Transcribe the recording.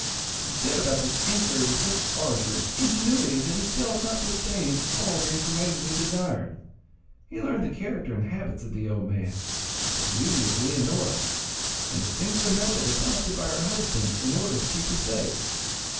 He set about this inquiry with such ardour and ingenuity, that he failed not to obtain all the information he desired. He learned the character and habits of the old man, the beauty of Leonora, and the singular method adopted by her husband in order to keep her safe.